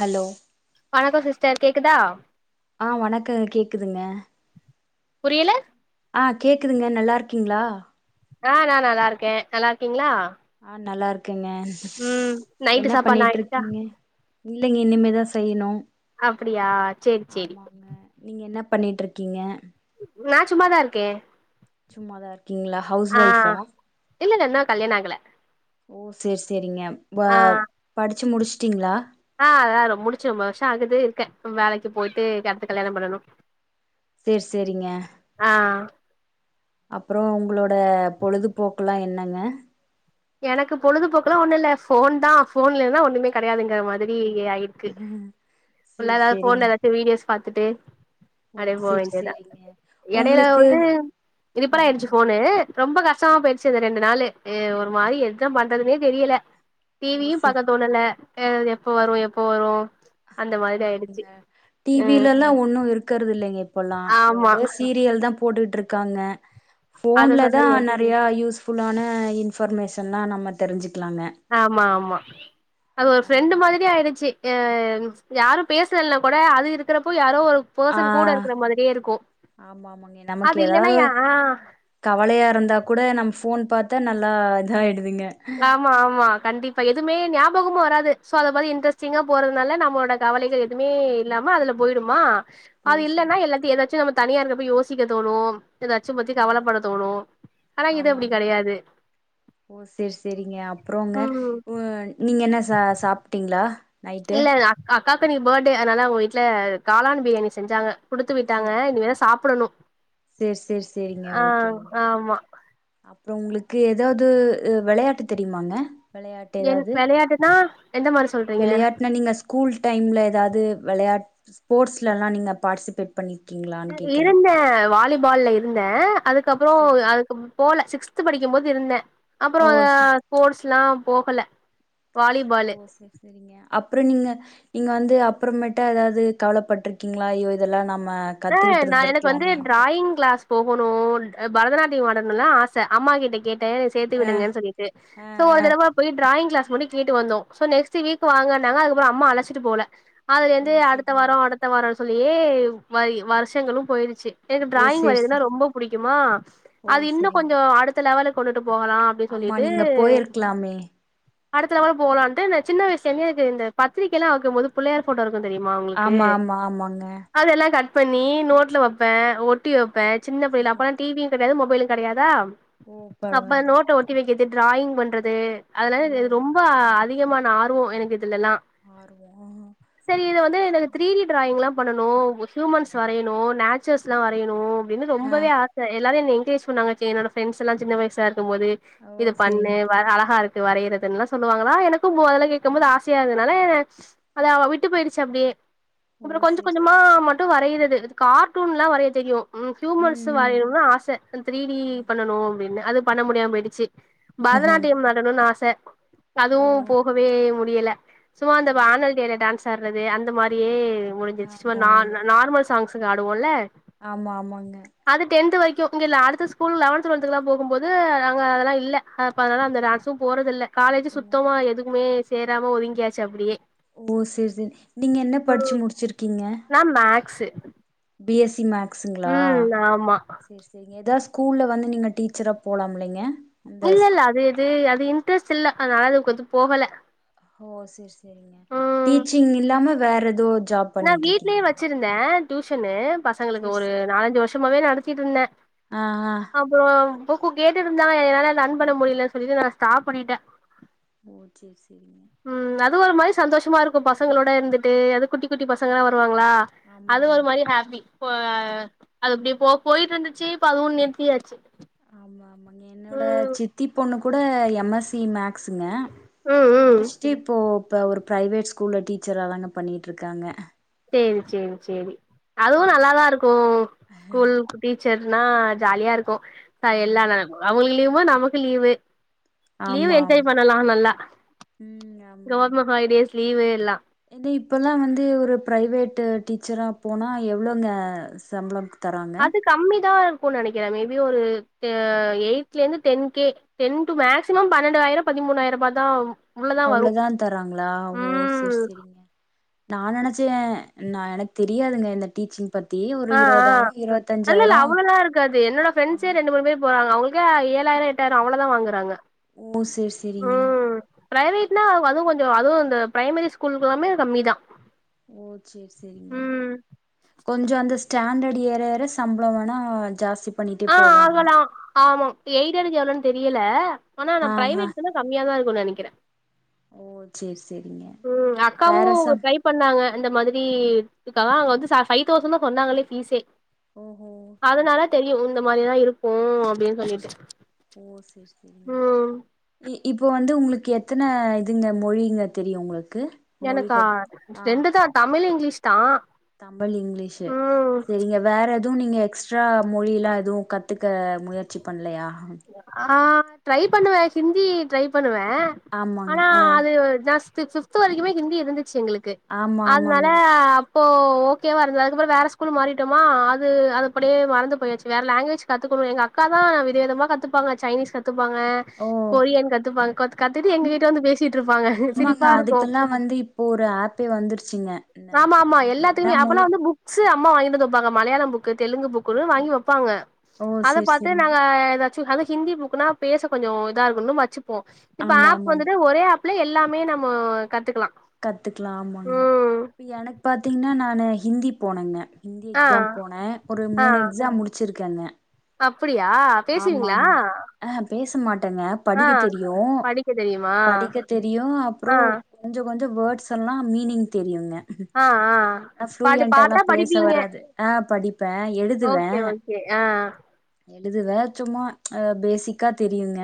hello வணக்கோ sister கேக்குதா ஆ வணக்க கேக்குதுங்க புரியல ஆ கேக்குதுங்க நல்லா இருக்கீங்களா ஆ நா நல்லா இருக்கே நல்லா இருக்கீங்களா ஆ நல்லா இருக்கேங்க ம் நைட்டு என்ன சாப்பாடுலா ஆயிடுச்சா பண்ணிட்ருக்கீங்க இல்லைங்க இனிமேதா செய்யணு அப்புடியா சேரி சேரி ஆமாங்க நீங்க என்ன பண்ணிட்ருக்கீங்க நா சும்மாதா இருக்கே சும்மாதா இருக்கீங்களா ஹவுஸ் வைஃபா இல்லல்ல இன்னு கல்யாணோ ஆகல ஓ சேரி சேரிங்க பா ஆ படிச்சு முடிச்சுட்டீங்ளா ஆ அதா ரொம் முடிச்சு ரொம்ப வர்ஷோ ஆகுது இருக்கே வேலைக்கு போயிட்டு இருக்கே அடுத்து கல்யாணம் பண்ணணு சேர் சேரிங்க ஆ அப்றோ உங்களோட பொழுது போக்குலா என்னங்க எனக்கு பொழுது போக்குலா ஒன்னு இல்ல ஃபோன்தா ஃபோன் இல்லன்னா ஒன்னுமே கெடையாதுங்குற மாதிரி ஆயிட் க்கு உள்ள சேரி எதாது ஃபோன்ல சேரிங்க எதாச்சு வீடியோஸ் பாத்துட்டு ஓ அப்டியே போ சேரி வேண்டியதா சேரிங்க எடயில உங்களுக்கு வந்து ரிப்பர் ஆயிடுச்சு ம் ஃபோனு ரொம்ப கஷ்டமா போயிடுச்சு அந்த ரெண்டு நாளு எ ஒரு மாரி எதுதா பண்றதுன்னே தெரியல ஓ டிவியு சே பாக்க தோணல ஆ அது எப்ப வரு எப்ப வரு அந்த மாதிரி ஆமாங்க ஆயிடுச்சு அ டிவிலலா ஒன்னு இருக்கறது இல்லைங்க இப்பல்லா ஆமா வந்து சீரி யல் போட்டுட்ருக்காங்க அத போன்லதா சொல்லுங்க ந றியா யூஸ்ஃபுல்லான இன்ஃபர்மேஷன்னா நம்ம தெரிஞ்சுக்லாங்க ஆமா ஆமா அது ஒரு ஃப்ரெண்டு ஆமா மாதிரி ஆயிருச்சி ஏ யாரு பேசுலனாகூட அது இருக்கறப்போ யாரோ ஒரு ஆ பொசன் கூட இருக்குற மாதிரியே இருக்கு ஆமா ஆமாங்க நமக்கு அது இல்லனா ஏதாவது யா கவலையா இருந்தா கூட நம் போன் பாத்தா நல்லா ஆய்டுதுங்க ஆமா ஆமா கண்டிப்பா எதுமே ஞாபகமு வராது சோ அத பதி இன்டரெஸ்டிங்கா போறத்னால நமோட கவலைகள் எதுமே இல்லாம அதுல போய்டுமா ஓ அது சேரி இல்லன்னா எல்லாத்தி எதாச்சு நம்ம தனியா இருக்கப்ப யோசிக்க தோணு எதாச்சு பத்தி ஆமா கவலப்பட தோணு ஆனா இது அப்டி ஆமாங்க கடையாது ஓ சேரி சேரிங்க அப்றோங்க ம் உ நீங்க என்ன ச சாப்ட்டீங்ளா இல்ல அக்கா அக்காக்கு இன்னிக்கி பர்த்டே அதனால அவுங்க வீட்ல காளான் பிரியாணி செஞ்சாங்க குடுத்துவிட்டாங்க சேரி இனிமேதா சாப்படணு சேரி சேரி சேரிங்க ஓகேங்க ஆமா அப்றோ உங்ளுக்கு எதாது வெளையாட்டு தெரியுமாங்க வெளையாட்டு என் எதாது வெளையாட்டுனா எந்த மாரி சொல்றீங்க வெளையாட்னா நீங்க கூல் டைம்ல எதாது வெளையாட் ஸ்போர்ட்ஸ்லெலா நீங்க பாட்டிசிபேட் பண்ணி ச இருந்த வாலிபால்ல இருந்த அதுக்கப்பறோ செரிங்க அதுக்கு போல சிக்ஸ்த் படிக்கும்போது இருந்த ஓ அப்பறோ செரி ஸ்போர்ட்ஸ்லா போகல ஓ வாலிபாலு செரி செரிங்க அப்பறோ நீங்க இங்க வந்து அப்புறமேட்டா எதாது கவலப்பட்ருக்கீங்ளா ஐயோ இதெல்லா நாம ஆ நா எனக்கு வந்து டிராயிங் க்ளாஸ் போகணு பரதநாட்டியம் ஆடணுன்லா ஆச அம்மாகிட்ட கேட் டெய்லரிங் ஆ சேத்திவிடுங்கன் சொல்லிட்டு ஆ சோ ஒரு தடவ போய் ட்ராயிங் க்ளாஸ் மட்டு கேட்டு வந்தோ சோ நெக்ஸ்ட் வீக் வாங்கன்னாங்க அதுக்கப்பறோ அம்மா அழச்சிட்டு போல ஓ அதுலருந்து அடுத்த செரிங்க வாரோ அடுத் அடுத்த வாரோன் சொல்லியே வ வருஷங்களு போயிருச்சு எனக்கு ஓ டிராயிங் செரி வரையதுன்னா செரி ரொம்ப புடிக்குமா ஓ அது இன்னு செரிங்க கொஞ்சோ அடுத்த லெவல்கு கொண்டுட்டு போகலா அப்டி ஆமா சொல்லிட்டு நீங்க போயிருக்கலாமே அடுத்த லெவல் போலான்ட்டு இந்த சின்ன வய்சுல இருந்தே எனக்கு இந்த பத்திரிக்கைலா வெக்கம்போது புள்ளையார் போட்டோ இருக்கு தெரியுமா உங்குளுக்கு ஆமா ஆமா ஆமாங்க அதெல்லா கட் பண்ணி நோட்ல வெப்ப ஒட்டி வெப்ப சின்ன பிள்ளைல அப்பனா டிவி கிடையாது மொபைலு கிடையாதா ஓ அப்ப பரவால்ல நோட்டல ஒட்டி வெக்கறது டிராயிங் பண்றது அதனால இது ஓ ரொம்ப அதிகமான ஆர்வோ எனக்கு இதுலலா ஆடுவோ செரி எனக்கு செரி த்ரீ டி டிராயிங்லா பண்ணணு ஹியூமன்ஸ் வரையணு நேச்சர்ஸ்லா வரையணு அப்டினு ஆ ரொம்பவே ஆச எல்லாரு என்ன என்கரேஜ் பண்ணாங்க என்னோட ப்ரெண்ட்ஸ்லா சின்ன வயசா இருக்கு போது இது ஓ பண்ணு சேரிங்க வர அழகா இருக் வரையறதுல்லா சொல்லுவாங்களா எனக்கு மொதல்ல கேட்கமோது ஆசையா இருந்தனால அத அவ விட்டு போய்ருச்சு அப்டியே ஓ அப்றோ கொஞ்சோ சேரி கொஞ்சமா சேரி மட்டு வரையுறது கார்ட்டூன்லா வரைய தெரியு ம் ஹியூமன்ஸ் ம் வரையணும்னு ஆச த்ரீ டி ம் பண்ணனு அப்டினு அது பண்ண முடியாம போய்டுச்சு ம் பரதநாட்டியம் ஆடணும்னு ஆச அதுவு ஓ போகவே முடியல சும்மா அந்த ஓ ஆனுவல் டேல டான்ஸ் ஆட்றது அந்தமாரியே முடிஞ்சிருச்சு சோ ஆமா நா ஆமா நார்மல் சாங்ஸ்கு ஆடுவோல ஆமா ஆமாங்க அது டென்த் வரைக்கு இங்க இல்ல அடுத்த ஸ்கூல் லவந்த் டொல்த்க்ளா போகு போது அங்க அதெல்லா இல்ல அப்ப அதனால அந்த டான்சு போறதில்ல காலேஜு சுத்தமா எதுக்குமே சேராம ஒதுங்கியாச்சு அப்டியே ஓ சேரி சேரி நீங்க என்ன படிச்சு முடிச்சிருக்கீங்க நா மேக்ஸ்சு பி எஸ் சி மேக்ஸ்சுங்ளா ஆமா சேர் சேரிங்க ஏதாவது ஸ்கூல்ல வந்து நீங்க டீச்சரா போலாம்ல்லைங்க இல்ல இல்ல அது இது அது இன்ட்ரெஸ்ட் இல்ல அதனால அதுக்கு வந்து போகல ஓ சேர் சேரிங்க டீச்சிங் இல்லாம வேற ஏதோ ஜாப் நா பண்ணிட்டு வீட்லே இருக்கீங்களா வச்சிருந்தே டியூஷன்னு பசங்களுக்கு சேரி ஒரு சேரி நாலஞ்சு வர்ஷமாவே நடத்திட்டு இருந்தே ஆ ஆ அப்றோ [unintelligible] இருந்தாங்க என்னால ரன் பண்ண முடியலன்ன சொல்லிட்டு நா ஸ்டாப் பண்ணிட்டே ஓ சேர் சேரிங்க ம் அது ஒரு மாரி சந்தோஷமா இருக்கு பசங்களோட இருந்துட்டு அது குட்டி குட்டி பசங்களா வருவாங்ளா ஆமா அது ஒரு ஆமா மாரி ஹாப்பி போ ஆ அது அப்டி போ போயிட்டு இருந்துச்சு இப்ப அதுவு நிறித்தியாச்சு ஆமா ஆமாங்க என்னோட சித்தி பொண்ணு கூட எம் எஸ் சி மேக்ஸ்சுங்க ம் ம் முடிச்சுட்டு இப்போ இப்ப ஒரு பிரைவேட் ஸ்கூல்ல டீச்சரா தாங்க பண்ணிட்டு இருக்காங்க சேரி சேரி சேரி அதுவு ஆ, ஆமா நல்லாதா இருக்கு ஸ்கூல் டீச்சர்னா ஜாலியா இருக்கு எல்லா ஆமா ந அவங்களுக்கு லீவுனா நமக்கு லீவு லீவ் ஆமா என்ஜாய் பண்ணலா நல்லா ம் ஆமாங்க கவர்மெண்ட் ஹாலிடேஸ் லீவு எல்லா இது இப்பெல்லா வந்து ஒரு பிரைவேட்டு டீச்சரா போனா எவ்ளோங்க சம்பள கு தராங்க அது கம்மி தா இருக்குனு நெனைக்கிறே மேபி ஒரு எய்ட்ல இருந்து ten K ten to maximum பன்னெண்டாயிரோ பதிமூணாயிரோ ரூபா தா ஆவு அவ்ளோதா தராங்களா ஓ சேர் சேரிங்க நா நெனச்சே நா எனக்கு தெரியாதுங்க இந்த டீச்சிங் பத் ஆ ஆ இல்ல இல்ல அவ்ளோலா இருக்காது என்னோட ஃப்ரண்ட்ஸே வாங் ரெண்டு மூணு பேர் போறாங்க அவங்ள் [unintelligible] ஏழாயிரோ எட்டாயிரோ அவ்ளோதா வாங்குறாங்க ஓ சேரி சேரிங்க ம் பிரைவேட்னா அதுவு கொஞ்சோ அதுவு இந்த பிரைமரி ஸ்கூலுக்கு எல்லாமே கம்மி தா ஓ சேர் சேரிங்க ம் கொஞ்சோ அந்த ஸ்டாண்டர்ட்டு ஏற ஏற சம்பள வேணா ஜாஸ்தி பண்ணிட்டே ஆ போவாங்க ஆகலா ஆமா எயிடடுக்கு எவ்ளோன்னு தெரியல ஆனா நா ஆ ஆ பிரைவேட்க்னா கம்மியா தா இருக்குனு நெனைக்கிறே ஓ சேரி சேரிங்க ம் அக்காவு வேற ஒரு சம் ட்ரை சொன்னாங்க இந்த மாரி இதுக்கெலா வந்து ஃபைவ் தௌசண்ட் தா சொன்னாங்களே பீஸே ஓஹோ சேரி அதனால சேரி தெரியு இந்த மாரிதா இருக்கு அப்டின்னு சொல்லிட்டு ஓ சேரி சேரிங்க ம் இப்ப வந்து உங்களுக்கு எத்தன இதுங்க மொழிங்க தெரியு உங்களுக்கு எனக்கா மொழிகள் ஆ ரெண்டு தா தமிழ் இங்கிலீஷ் தா தமிழ் இங்கிலீஷ ம் செரிங்க வேற எதுவு நீங்க எக்ஸ் ட்ரா மொழியிலா எதுவு கத்துக்க முயற்சி பண்ல்லையா ஆ ட்ரை பண்ணுவே ஹிந்தி ட்ரை பண்ணுவே ஆமாங்க ஆனா ஆ அது ஜஸ் ஃபிப்து வரைக்குமே ஹிந்தி இருந்துச்சு எங்களுக்கு ஆமா அதனால ஆமாங்க அப் போ ஓகேவா இருந்தது அதுக்கப்றோ வேற ஸ்கூல் மாறிட்டோமா அது அது அப்டியே மறந்து போயிருச்சு வேற லாங்குவேஜ் கத்துகணு எங்க அக்கா தா வித விதமா கத்துபாங்க சைனீஸ் கத்துபாங்க ஓ கொரியன் கத்துப்பாங்க கோ கத்துட்டு ஆமா எங்க கிட்ட வந்து பேசிட்டு இருப்பாங்க ஆமாங்க சிரிப்பா இருக்கு அதுக்கெல்லா வந்து இப்போ ஒரு ஆப்பே வந்துருச்சுங்க என்னன் ஆமா ஆமா நமக்கு என்ன எல்லாத்துக்குமே அப்பலா மொழி வந்து புக் க்ஸ் அம்மா வாங்கிட்டு வந்து வெப்பாங்க மலையாளம் புக்கு தெலுங்கு புக்குனு வாங்கி வெப்பாங்க ஓ அத சேரி பாத்து சேரிங்க நாங்க எத அது ஹிந்தி புக்குனா பேச கொஞ்சோ இதா இருக்குன்னு வச்சுப்போ இப்ப ஆமா ஆப் ஆமாங்க வந்துட்டு ஒரே ஆப் ஆப்லே எல்லாமே நம்ம கத்துகலா கத்துக்கலா ஆமாங்க எனக்கு பாத்தீங்கன்னா நானு ஹிந்தி போனேங்க ஹிந்தி ஆ எக்ஸாம் போனே ஒரு ஆ மூணு எக்ஸாம் முடிச்சிருக்கேங்க அப்படியா பேசுவீங்ளா அ ஹா பேச மாட்டேங்க படிக்க தெரியு படிக்க தெரியுமா படிக்க தெரியு அப்றோ ஆ கொஞ்ச கொஞ்ச வேர்ட்ஸ் எல்லா மீனிங் தெரியுங்க ஆ ஆ பாட்டு ஃபுளுயண்ட்டாலா பாத்தா பேச படிப்பீங்க வராது ஆ படிப்பே எழுதுவே ஓகே ஆ எழுதுவே சும்மா பேசிக்கா தெரியுங்க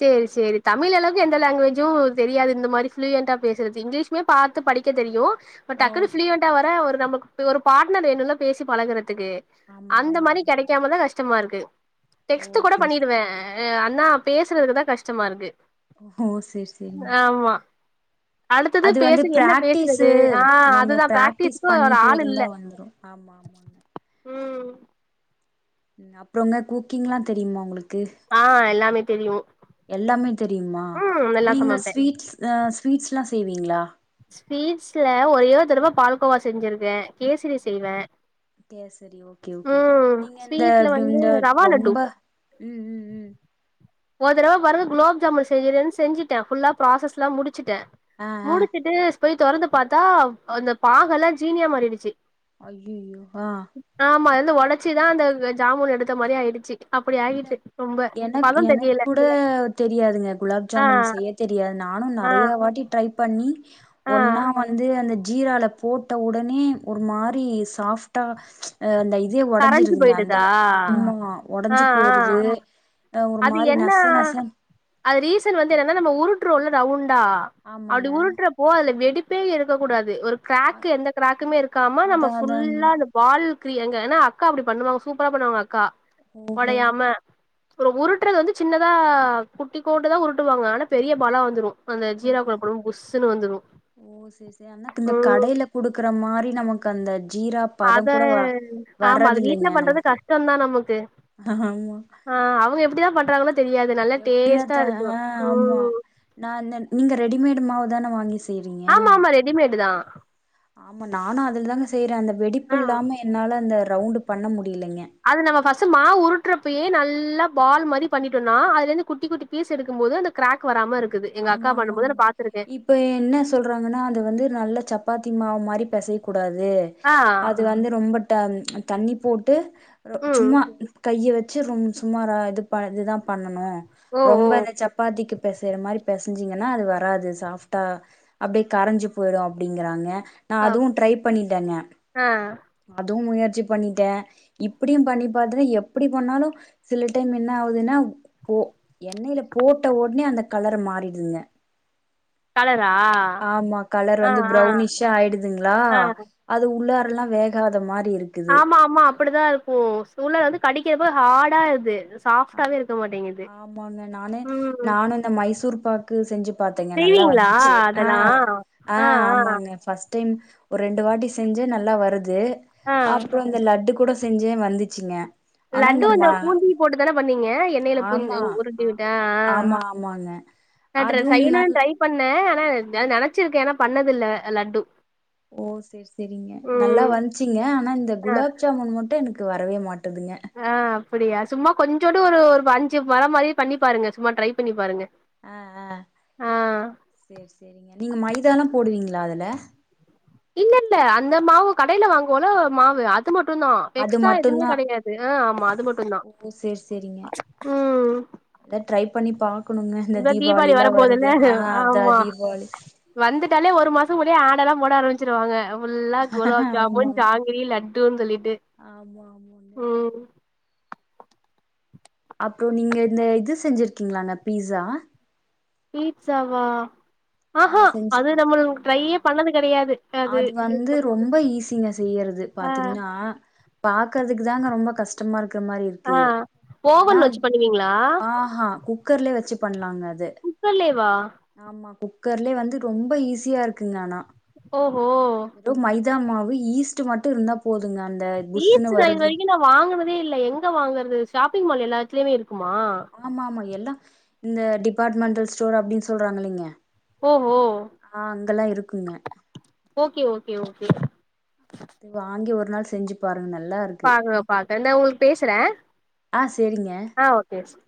சேரி சேரி தமிழ் அளவுக்கு எந்த லாங்வேஜூம் தெரியாது இந்த மாரி ஃபுளூயண்டா பேசுறது இங்கிலீஷ் க்குமே பாத்து படிக்க தெரியு இப்ப ஓ டக்குனு ஃபுளுயண்டா வர ஒரு நம்மக்கு ஒரு பாட்னர் வேணும்ல பேசி பழகறதுக்கு ஆமா அந்த ஆமா மாரி ஆமாங்க கெடைக்காமதா கஷ்டமா இருக்கு ஓ டெக்ஸ்ட் கூட சேரி சேரி பண்ணிருவே ஆனா பேசறதுக்கு தா கஷ்டமா இருக்கு ஓ ஓ சேரி சேரிங்க ஆமா அடுத்தது அது பேச வந்து என்ன பிராக்டிஸ்சு பேசுறது ஆ நம்ம அதுதா பிராக்டிஸ் பிராக்டிஸ்க்கு ஒரு பண்ணிட்டே ஆள் இல்ல இருந்தா வந்துரு ஆமா ஆமாங்க ம் ம் அப்றங்க குக்கிங்லா தெரியுமா உங்களுக்கு ஆ எல்லாமே தெரியு எல்லாமே தெரியுமா ம் நல்லா நீங்க சமைப்பே ஸ்வீட்ஸ் ஸ்வீட்ஸ்லா செய்வீங்ளா ஸ்வீட்ஸ்ல ஒரே ஒரு தடவ பால்கோவா செஞ்சிருகே கேசரி செய்வே கேசரி ஓகே ஓகே ம் நீங்க இந்த ஸ்வீட்ல வந்து இந்த ரவா லட்டு ரொம்ப ம் ம் ம் ஒரு தடவ பாருங்க குலாப் ஜாமூன் செய்யறேன்னு செஞ்சிட்டே ஃபுல்லா ப்ராசஸ்லா முடிச்சிட்டே ஆ ஆ முடிச்சிட்டு போய் தொறந்து பாத்தா அந்த பாகெல்லா ஜீனியா மாறிடுச்சி ஐயையோ ஆ ஆமா அதுலருந்து ஒடச்சிதா அந்த ஜாமூன் எடுத்த மாரி ஆயிடுச்சி அப்டி இல்ல ஆயிட்சி ரொம்ப எனக் பதம் தெ எனக் கூட தெரியாதுங்க குலாப் ஆ ஜாமுன் செய்ய தெரியாது நானு ஆ நறைய வாட்டி ட்ரை பண்ணி ஆ ஒன்னா வந்து அந்த ஜீரால போட்ட உடனே ஒரு மாரி சாஃப்டா அந்த இதே கரஞ்சு ஒடஞ்சிருதுங்க அந்த போயிடுதா ஆமா ஆ ஒடஞ்சி ஆ போயிடுது அ ஒரு அது மாரி என்ன நச நசன் அது ரீசன் வந்து என்னன்னா நம்ம உருட்றோல்ல ரவுண்டா அப்டி ஆமாங்க உருட்ற ப்போ அதுல வெடிப்பே இருக்கக்க கூடாது ஒரு அ கிராக்கு எந்த கிராக்குமே இருக்காம நம்ம அதா அதாங்க ஃபுல்லா அத பால்கிரிய எங்கன்னா அக்கா அப்டி பண்ணுவாங்க சூப்பரா பண்ணுவாங்க அக்கா ஓஹோ ஒடையாம அப்றோ உருட்றது வந்து சின்னதா குட்டிக்கோண்டு தா உருட்டுவாங்க ஆனா பெரிய பால வந்துடு அந்த ஓ ஜீராக்குள்ள போடும் போது புஸ்ன்னு வந்துடு ஓ சேரி சேரி ஆனா இந்த ம் கடையில குடுக்குற மாரி நமக்கு அந்த ஜீரா அத பதம் கூட வ ஆமா அது வீட்ல வர்றதில்லைங்க பண்றது நமக்கு கஷ்டம்தா நமக்கு ஆமா ஆ அவங்க எப்டிதா பண்றாங்களோ தெரியாது நல்லா எப்டியாத்த டேஸ்ட்டா இருக்கு ஆ ஆமா ம் நா இந்த நீங்க ரெடிமேட் மாவு தான வாங்கி செய்யிறீங்க ஆமா ஆமா ரெடிமேடு தா ஆமா நானு அதுல தாங்க செய்றே அந்த வெடிப்பு ஆ இல்லாம என்னால அந்த ரவுண்டு் பண்ண முடிலங்க அது நம்ம ஃபஸ்ட் மாவு உருட்டுறப்பயே நல்லா பால் மாரி பண்ணோட்டனா அதுல இருந்து குட்டி குட்டி ஃபீஸ் எடுக்கும் போது அந்த கிராக் வராமா இருக்குது எங்க அக்கா பண்ணும்போது நா பாத்துருக்கே இப்போ என்ன சொல்றாங்கன்னா அது வந்து நல்ல சப்பாத்தி மாவு மாரி பெசையக்கூடாது ஆ அது வந்து ரொம்ப தண்ணி போட்டு ம் சும்மா கைய வெச்சு ரொ சும்மா இது இதுதா பண்ணனு ஓ ஓ ரொம்ப இந்த சப் பாத்திக்கு பேசைற மாரி பெசஞ்சிங்கன்னா அது வராது சாஃப்டா அப்டியே கரஞ்சு போயிடு அப்டிங்கறாங்க நா அ அதுவு ட்ரை பண்ணிட்டேங்க ஆ அதுவு முயற்சி பண்ணிட்டே இப்படியு பண்ணி பாத்திட்டே எப்டி பண்ணாலு சில டைம் என்ன ஆகுதுன்னா போ எண்ணெயில போட்ட ஒடனே அந்த கலரு மா ரிடுதுங்க கலரா ஆமா கலர் ஆ வந்து ஆ ப்ரௌனிஷா ஆயிடுதுங்ளா ஆ அது உள்ளார எல்லா வேகாத மாரி இருக் ஆமா ஆமா அப்பிடிதா இருக்கு சூழ வந்து கடிக்கிற போ ஹார்டா இருது ஆமாங்க நானு ம் நானு இந்த மைசூர் பாக் கு செஞ்சு பாத்தேங்க நல்லா செய்வீங்களா வந்துச்சு ஆ அதெல்லா ஆ ஆமாங்க ஃபஸ்ட் டைம் ஒரு ரெண்டு வாட்டி செஞ்சு நல்லா வருது ஆ அப்றோ இந்த லட்டு கூட செஞ்சே வந்துச்சுங்க ஆனா லட்டு இந்த அந்த ம பூந்தி போட்டுதானே பண்ணீங்க மேல பூந்தி ஆமா உருட்டி ஆ விட்ட ஆமா ஆமாங்க ஆ அதுவும் சைன நல் பண்ண ஆனா நெனைச்சிருக்கே ஏன்னா பண்ணதுல்ல லட்டு ஓ செரி செரிங்க நல்லா ம் வந்துச்சுங்க ஆனா இந்த அ குலாப் ஜாமுன் மட்டு எனக் க்கு வரவே மாட்டேதுங்க ஆ அப்பிடியா சும்மா கொஞ்சுன்டு ஒரு ஒரு அஞ்சு வர மாரி பண்ணி பாருங்க சும்மா ட்ரை பண்ணி பாருங்க ஆ ஆ ஆ சேரி சேரிங்க நீங்க மைதா எல்லா போடுவீங்களா அதுல இல்ல இல்ல அந்த மாவு கடையில வாங்குவோல்ல ஒரு மாவு அ அது மட்டு தா அது எக்ஸ்ட்ரா எதுவுமே மட்டுந்தா கெடையாது ஆமா அது மட்டு தா ஓ சேரி சேரிங்க ம் அத ட்ரை பண்ணி பாக்கணுங்க இந்த தீபாவளி எல்லா வருது ஆ அதா ஆமா தீபாவளி வந்துட்டாலே ஒரு மாச முன்னடியே ஆடர்ல்லா போட ஆரம்பிச்சிருவாங்க ஃபுல்லா குலாப் ஆமா ஜாமுன் ஜாங்கிரி லட்டுன்னு சொல்லிட்டு ஆமா ஆமாங்க ம் அப்றோ நீங்க இந்த இது செஞ்சிருக்கீங்கள பீஸா பீட்சாவா ஆ ஆஹா செஞ்சு அது நம்மள் பாத்துருக்கீங்களா ட்ரையே பண்ணது கெடையாது அது வந்து ரொம்ப ஈஸிங்க செய்யறது ஆ பாத்தீங்கன்னா பாக்குறதுக்கு தாங்க ரொம்ப கஷ்ட கஷ்டமா இருக்கிற மாரி ஆ இருக்கு ஆனா ஓவன் வச்சு பண்ணுவீங்களா ஆ ஆ குக்கர்லயே வெச்சு பண்ணலாங்க அது குக்கர்லேவா ஆமா குக்கர்லயே வந்து ரொம்ப ஈஸியா இருக்குங்க ஆனா ஓ ஓ வெறு மைதா மாவு ஈஸ்ட் மட்டு இருந்தா போதுங்க அந்த புஸ்ஸுன்னு ஈஸ்ட் நா இது வருது வரைக்கு நா வாங்கினதே இல்ல எங்க வாங்கறது ஷாப்பிங் மால்ல எல்லா இடத்துலயுமே இருக்குமா ஆமா ஆமா எல்லா இந்த டிபார்ட்மெண்டல் ஸ்டோர் அப்டின்னு சொல்றாங்கலிங்க ஓஹோ ஓகே ஓகே ஓகே வாங்கி ஒரு நாள் செஞ்சு பாருங்க நல்லாருக்கு பாக்குற பாக்குற இந்தா உங்களுக்கு பேசுற ஆ செரிங்க ஆ ஓகே சொல்லு